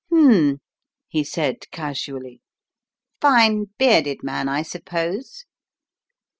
"Hm," he said, casually. "Fine, bearded man I suppose?"